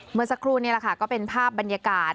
เมื่อสักครู่นี่แหละค่ะก็เป็นภาพบรรยากาศ